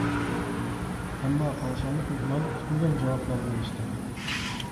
ئەمما، قاڭشارلىق مېھمان كۈتمىگەن جاۋابلارغا ئېرىشتى.